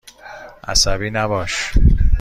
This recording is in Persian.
عصبی نباش.